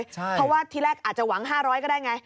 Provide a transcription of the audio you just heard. เพราะว่าที่แรกอาจจะหวัง๕๐๐ก็ได้ไง